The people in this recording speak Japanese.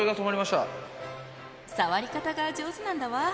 触り方が上手なんだわ。